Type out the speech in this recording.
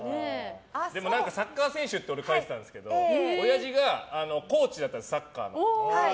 でもサッカー選手って俺、書いてたんですけど親父がコーチだったんですサッカーの。